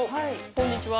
こんにちは。